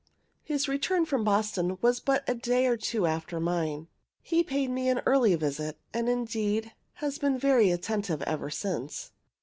His return from Boston was but a day or two after mine. He paid me an early visit, and, indeed, has been very attentive ever since.